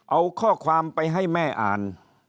เอาข้อความไปให้แม่อ่าน